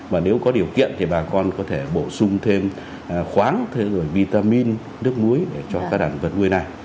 mà nếu có điều kiện thì bà con có thể bổ sung thêm khoáng rồi vitamin nước muối để cho các đàn vật nuôi này